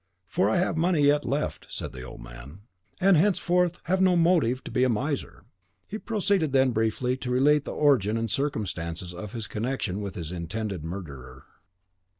"For I have money yet left," said the old man; "and henceforth have no motive to be a miser." He proceeded then briefly to relate the origin and circumstances of his connection with his intended murderer.